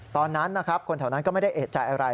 ตอนนั้นนะครับคนแถวนั้นก็ไม่ได้เอกใจอะไร